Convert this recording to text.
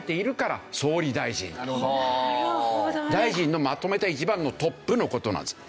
大臣のまとめた一番のトップの事なんです。